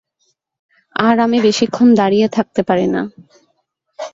আর আমি বেশিক্ষণ দাঁড়িয়ে থাকতে পারি না।